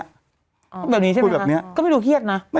คุยแบบนี้ใช่ไหมครับก็ไม่ดูเครียดนะ